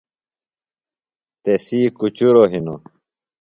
تسی کُچُروۡ ہِنوۡ۔